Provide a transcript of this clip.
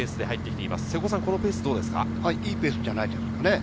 いいペースじゃないですかね。